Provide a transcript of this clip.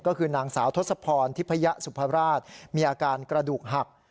ก็คือนางสาวทศพรทิพยสุภราชมีอาการกระดูกหัก